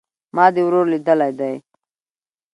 ما دي ورور ليدلى دئ